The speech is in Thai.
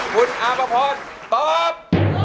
คุณอัพพอร์ตตอบ